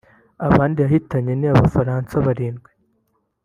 Abandi yahitanye ni Abafaransa barindwi